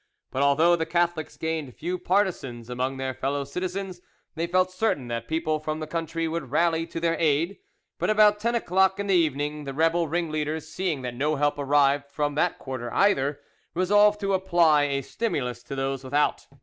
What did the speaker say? But although the Catholics gained few partisans among their fellow citizens, they felt certain that people from the country would rally to their aid; but about ten o'clock in the evening the rebel ringleaders, seeing that no help arrived from that quarter either, resolved to apply a stimulus to those without.